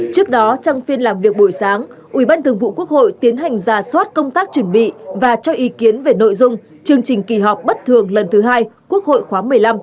trước đó trong phiên làm việc buổi sáng ủy ban thường vụ quốc hội tiến hành ra soát công tác chuẩn bị và cho ý kiến về nội dung chương trình kỳ họp bất thường lần thứ hai quốc hội khóa một mươi năm